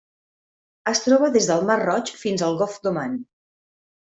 Es troba des del Mar Roig fins al Golf d'Oman.